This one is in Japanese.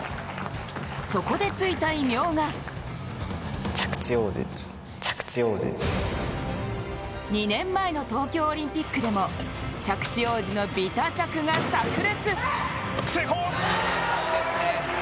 そこでついた異名が２年前の東京オリンピックでも着地王子のビタ着がさく裂。